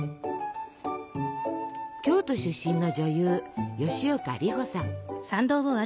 京都出身の女優吉岡里帆さん。